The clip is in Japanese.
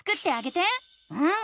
うん！